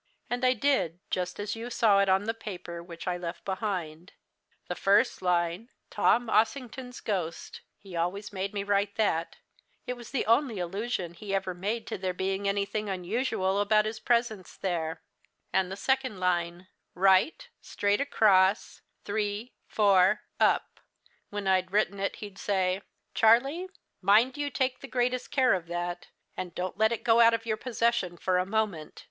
"And I did, just as you saw it on the paper which I left behind; the first line, 'Tom Ossington's Ghost' he always made me write that; it was the only allusion he ever made to there being anything unusual about his presence there; and the second line, 'right straight across three four up.' When I'd written it he'd say: "'Charlie, mind you take the greatest care of that; don't let it go out of your possession for a moment.